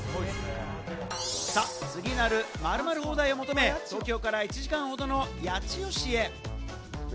次なる〇〇放題を求め、東京から１時間ほどの八千代市へ。